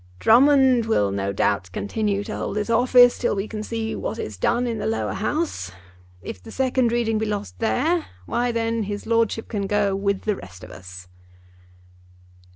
Drummond will no doubt continue to hold his office till we see what is done in the Lower House. If the second reading be lost there, why then his lordship can go with the rest of us."